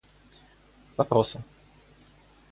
вопросы